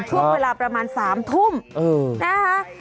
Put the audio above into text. ช่วงเวลาประมาณ๓ทุ่มนะคะ